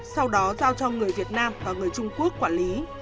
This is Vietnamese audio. sau đó giao cho người việt nam và người trung quốc quản lý